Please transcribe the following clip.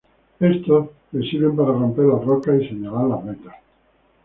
Estos le sirven para romper las rocas y señalar las vetas.